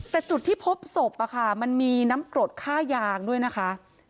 แต่จุดที่พบศพมันมีน้ำกรดค่ายางด้วยนะคะ